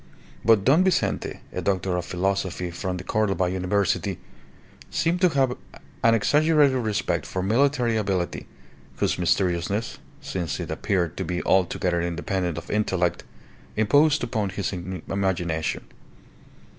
But Don Vincente, a doctor of philosophy from the Cordova University, seemed to have an exaggerated respect for military ability, whose mysteriousness since it appeared to be altogether independent of intellect imposed upon his imagination.